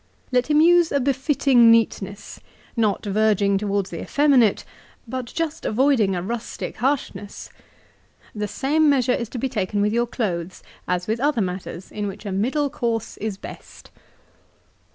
Let him use a befitting neatness, not verging towards the effeminate, but just avoid ing a rustic harshness. The same measure is to be taken with your clothes, as with other matters in which a middle course is best."